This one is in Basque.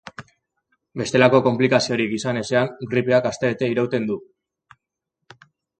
Bestelako konplikaziorik izan ezean, gripeak astebete irauten du.